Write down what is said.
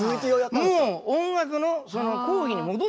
もう音楽の講義に戻っちゃった。